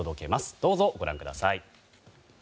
どうぞご覧ください。